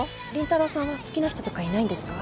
凛太郎さんは好きな人とかいないんですか？